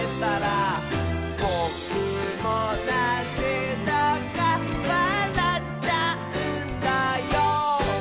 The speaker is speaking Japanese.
「ぼくもなぜだかわらっちゃうんだよ」